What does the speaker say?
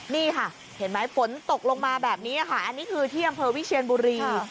นี่ค่ะเห็นไหมฝนตกลงมาแบบนี้ค่ะอันนี้คือที่อำเภอวิเชียนบุรี